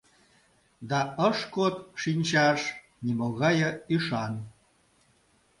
Да ыш код шинчаш нимогае ӱшан.